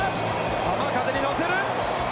浜風に乗せる！